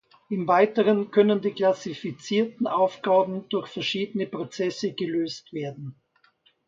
Im Weiteren können die klassifizierten Aufgaben durch verschiedene Prozesse gelöst werden.